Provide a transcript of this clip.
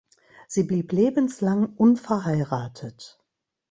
Sie blieb lebenslang unverheiratet.